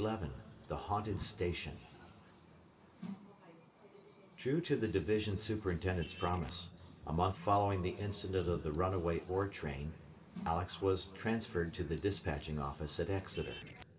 ] XI THE HAUNTED STATION True to the division superintendent's promise, a month following the incident of the runaway ore train, Alex was transferred to the despatching office at Exeter.